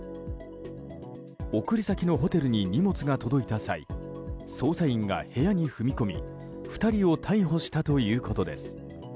送り先のホテルに荷物が届いた際捜査員が部屋に踏み込み２人を逮捕したということです。